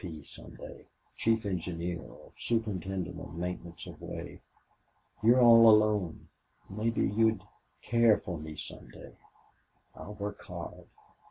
P. some day. Chief engineer or superintendent of maintenance of way.... You're all alone maybe you'll care for me some day. I'll work hard.